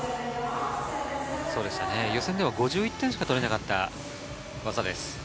予選では５１点しか取れなかった技です。